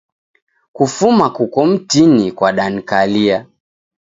Kufuma kuko mtini kwadanikalia.